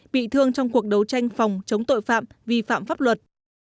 bị thương trong cuộc đấu tranh phòng chống tội phạm vi phạm pháp luật